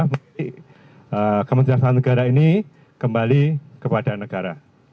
jadi kementerian setelah negara ini kembali kepada negara